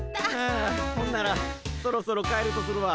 あほんならそろそろ帰るとするわ。